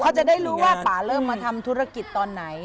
เขาจะได้รู้ว่าป่าเริ่มมาทำธุรกิจตอนไหน